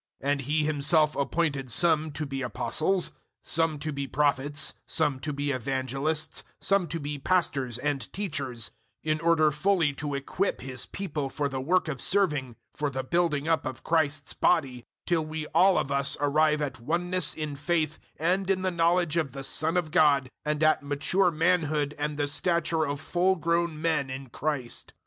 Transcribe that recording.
004:011 And He Himself appointed some to be Apostles, some to be Prophets, some to be evangelists, some to be pastors and teachers, 004:012 in order fully to equip His people for the work of serving for the building up of Christ's body 004:013 till we all of us arrive at oneness in faith and in the knowledge of the Son of God, and at mature manhood and the stature of full grown men in Christ.